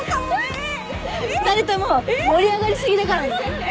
２人とも盛り上がり過ぎだからね。